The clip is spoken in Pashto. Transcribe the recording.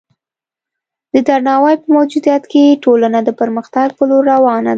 د درناوي په موجودیت کې ټولنه د پرمختګ په لور روانه ده.